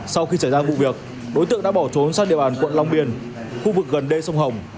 sau khi xảy ra vụ việc đối tượng đã bỏ trốn sang địa bàn quận long biên khu vực gần đê sông hồng